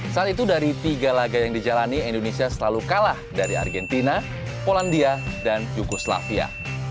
saat itu dari tiga laga yang dijalani indonesia selalu kalah dari argentina polandia dan yukoslavia